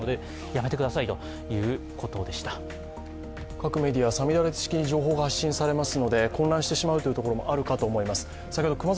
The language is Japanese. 各メディア、五月雨式に情報が発信されますので混乱してしまうところもあるかと思います。